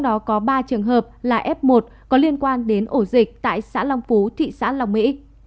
trong đó có ba trường hợp là f một có liên quan đến ổ dịch tại xã long phú thị xã long mỹ